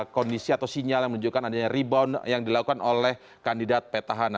kondisi atau sinyal yang menunjukkan adanya rebound yang dilakukan oleh kandidat petahana